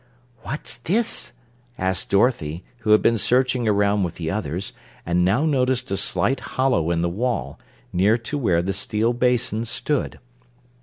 "What's this?" asked Dorothy, who had been searching around with the others, and now noticed a slight hollow in the wall, near to where the steel basin stood.